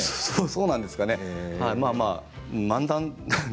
そうなんですかね漫談。